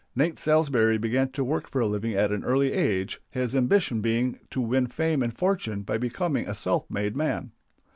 Nate Salsbury began to work for a living at an early age, his ambition being to win fame and fortune by becoming a self made man.